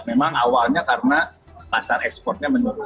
memang awalnya karena pasar ekspornya menurun